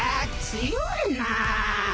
強いなぁ。